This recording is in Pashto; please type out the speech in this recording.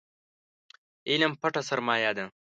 علم پټه سرمايه ده